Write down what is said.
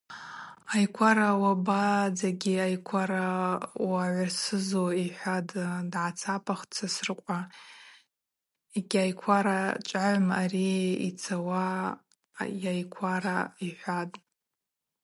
Айквара, уабадзагьи айквара уагӏвырсызу,— йхӏватӏ, дгӏацапахтӏ Сосрыкъва, йгьайквара чӏвагӏвам ари йцауа йайквара йхӏван.